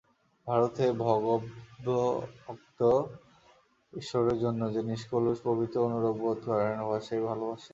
ভারতে ভগবদ্ভক্ত ঈশ্বরের জন্য যে নিষ্কলুষ পবিত্র অনুরাগ বোধ করেন, উহা সেই ভালবাসা।